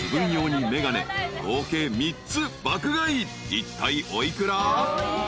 ［いったいお幾ら？］